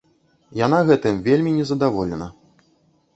Яна гэтым вельмі незадаволена.